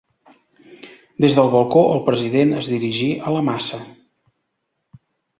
Des del balcó, el president es dirigí a la massa.